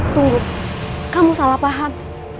tunggu kamu salah paham